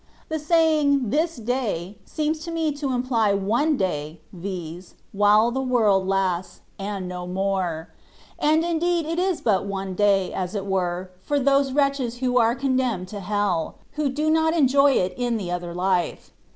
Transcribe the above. The saying " this day,^^ seems to me to imply mie day, viz., while the world lasts, and no more ; and indeed it is but one day, as it were, for those wretches who are condemned to hell, who do not enjoy it in the other life.